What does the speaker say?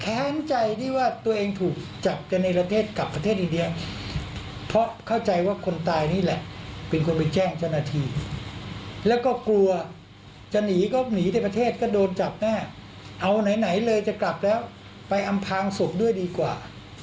ใจที่ว่าตัวเองถูกจับกันในประเทศกลับประเทศอินเดียเพราะเข้าใจว่าคนตายนี่แหละเป็นคนไปแจ้งเจ้าหน้าที่แล้วก็กลัวจะหนีก็หนีในประเทศก็โดนจับแน่เอาไหนไหนเลยจะกลับแล้วไปอำพางศพด้วยดีกว่า